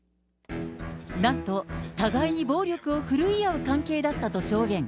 なんと、互いに暴力を振るい合う関係だったと証言。